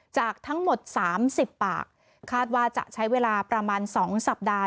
จากทั้งหมด๓๐ปากคาดว่าจะใช้เวลาประมาณ๒สัปดาห์